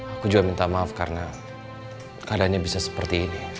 aku juga minta maaf karena keadaannya bisa seperti ini